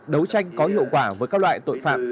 đấu tranh có hiệu quả với các loại tội phạm